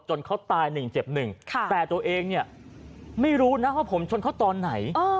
เขาตายหนึ่งเจ็บหนึ่งแต่ตัวเองเนี่ยไม่รู้นะว่าผมชนเขาตอนไหน